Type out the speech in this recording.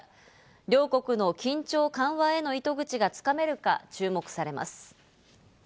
両国の緊張緩和への糸口が掴めるか、注目されます。